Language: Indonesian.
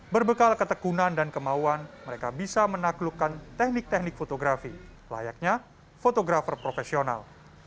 berbekal ketekunan dan kemauan mereka bisa menaklukkan teknik teknik fotografi layaknya fotografer profesional